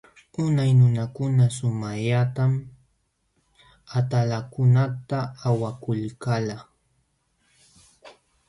Unay nunakuna sumaqllatam atalankunata awakulkalqa.